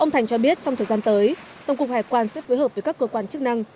ông thành cho biết trong thời gian tới tổng cục hải quan sẽ phối hợp với các cơ quan chức năng